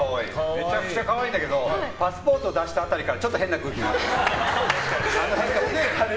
めちゃくちゃ可愛いんだけどパスポート出した辺りからちょっと変な空気になった。